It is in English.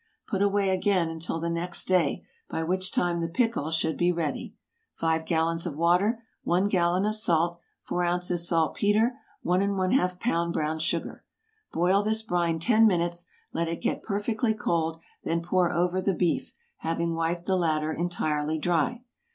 Put away again until the next day, by which time the pickle should be ready. 5 gallons of water. 1 gallon of salt. 4 ounces saltpetre. 1½ lb. brown sugar. Boil this brine ten minutes; let it get perfectly cold; then pour over the beef, having wiped the latter entirely dry.